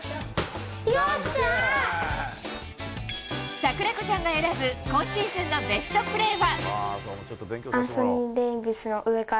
桜子ちゃんが選ぶ今シーズンのベストプレーは？